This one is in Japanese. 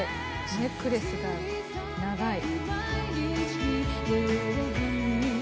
ネックレスが長い。